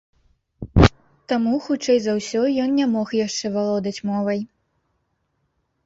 Таму, хутчэй за ўсё, ён не мог яшчэ валодаць мовай.